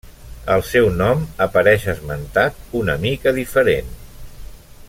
El seu nom apareix esmentat una mica diferent.